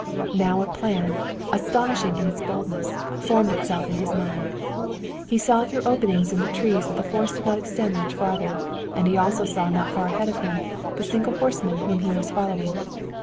Now a plan, astonishing in its boldness, formed itself in his mind. He saw through openings in the trees that the forest did not extend much farther, and he also saw not far ahead of him the single horseman whom he was following.